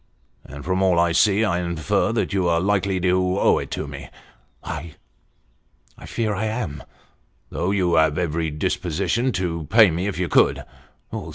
' And from all I see, I infer that you are likely to owe it to me. ' I fear I am." ' Though you have every disposition to pay me if you could